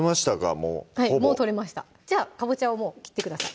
もうほぼはいもう取れましたじゃあかぼちゃをもう切ってください